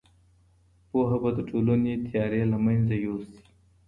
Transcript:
پوهه به د ټولني تیارې له منځه یوسي.